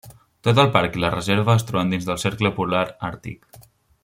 Tot el parc i la reserva es troben dins del Cercle Polar Àrtic.